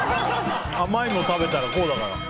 甘いもの食べたらこうだから。